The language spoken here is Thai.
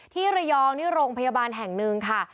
ที่ระยองนี่โรงพยาบาลแห่งหนึ่งค่ะ